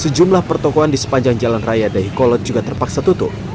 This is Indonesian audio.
sejumlah pertokohan di sepanjang jalan raya dahi kolot juga terpaksa tutup